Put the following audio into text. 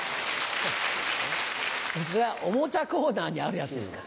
おもちゃコーナーにあるやつですから。